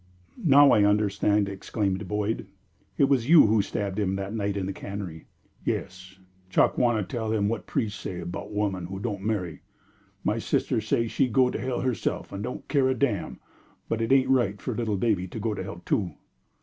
"Now I understand!" exclaimed Boyd. "It was you who stabbed him that night in the cannery." "Yes! Chakawana tell him what the pries' say 'bout woman what don' marry. My sister say she go to hell herself and don' care a damn, but it ain't right for little baby to go to hell too."